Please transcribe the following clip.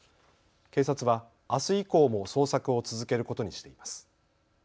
警察はあす以降も捜索を続けることにしています。